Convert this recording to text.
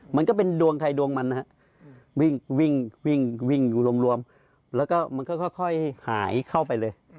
มันก็เป็นดวงใครดวงมันนะฮะวิ่งวิ่งอยู่รวมแล้วก็มันก็ค่อยหายเข้าไปเลย